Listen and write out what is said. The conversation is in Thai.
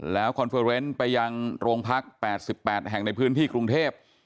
แล้วคอนเฟอร์เวนต์ไปยังโรงพัก๘๘แห่งในพื้นที่กรุงเทพ